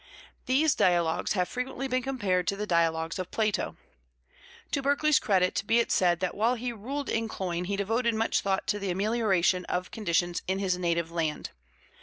These dialogues have frequently been compared to the dialogues of Plato. To Berkeley's credit be it said that while he ruled in Cloyne he devoted much thought to the amelioration of conditions in his native land.